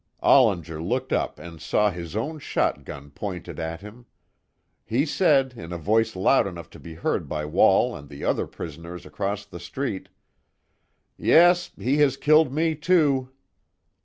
Ollinger looked up and saw his own shotgun pointed at him. He said, in a voice loud enough to be heard by Wall and the other prisoners across the street: "Yes, he has killed me, too!"